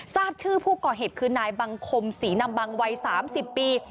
ทราบชื่อผู้ก่อเหตุคือนายบังคมศรีนำบังวัย๓๐ปี